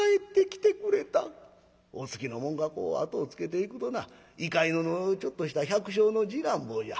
お付きの者がこう後をつけていくとな猪飼野のちょっとした百姓の次男坊じゃ。